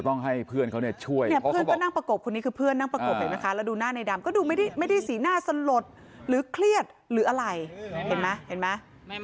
ต้องให้เพื่อนเขาช่วยเพื่อนนั่งประกบคุณนี้คือเพื่อนนั่งประกบแล้วดูหน้าในดำก็ดูไม่ได้ไม่ได้สีหน้าสลดหรือเครียดหรืออะไรเห็นมาเห็นมา